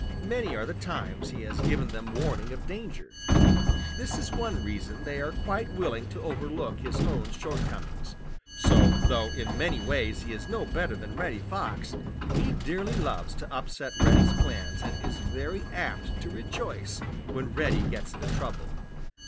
Many are the times he has given them warning of danger. This is one reason they are quite willing to overlook his own shortcomings. So, though in many ways he is no better than Reddy Fox, he dearly loves to upset Reddy's plans and is very apt to rejoice when Reddy gets into trouble.